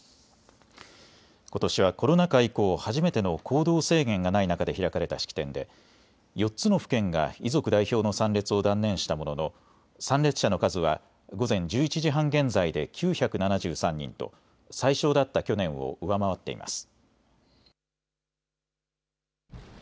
ことしはコロナ禍以降初めての行動制限がない中で開かれた式典で、４つの府県が遺族代表の参列を断念したものの参列者の数は午前１１時半現在で９７３人と最少だった去年を上回っています。